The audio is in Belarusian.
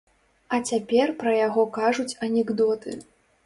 А цяпер пра яго кажуць анекдоты.